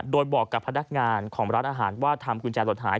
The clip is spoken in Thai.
โดยบอกกับพนักงานของร้านอาหารว่าทำกุญแจหลดหาย